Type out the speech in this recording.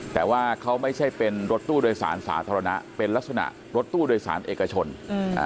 แต่ว่าเขาไม่ใช่เป็นรถตู้โดยสารสาธารณะเป็นลักษณะรถตู้โดยสารเอกชนอืมอ่า